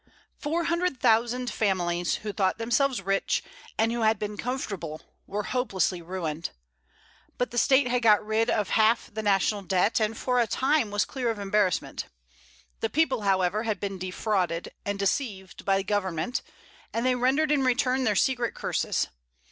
Four hundred thousand families, who thought themselves rich, and who had been comfortable, were hopelessly ruined; but the State had got rid of half the national debt, and for a time was clear of embarrassment. The people, however, had been defrauded and deceived by Government, and they rendered in return their secret curses.